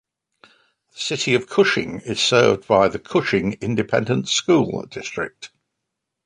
The city of Cushing is served by the Cushing Independent School District.